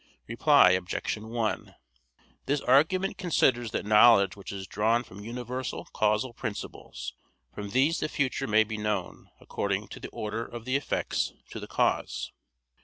Reply Obj. 1: This argument considers that knowledge which is drawn from universal causal principles; from these the future may be known, according to the order of the effects to the cause.